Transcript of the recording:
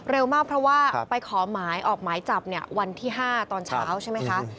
เร็วมากเพราะว่าไปขอหมายออกหมายจับเนี่ยวันที่๕ตอนเช้าใช่ไหมคะ